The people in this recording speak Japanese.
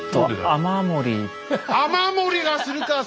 雨漏りがするかそうか！